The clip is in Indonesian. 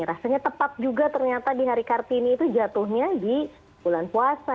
rasanya tepat juga ternyata di hari kartini itu jatuhnya di bulan puasa